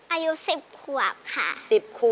อายุ๑๐ขวบค่ะ